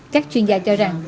các chuyên gia cho rằng